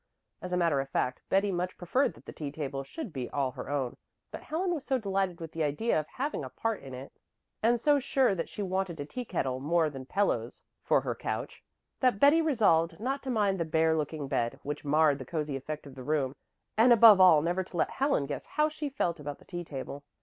As a matter of fact Betty much preferred that the tea table should be all her own; but Helen was so delighted with the idea of having a part in it, and so sure that she wanted a teakettle more than pillows for her couch, that Betty resolved not to mind the bare looking bed, which marred the cozy effect of the room, and above all never to let Helen guess how she felt about the tea table.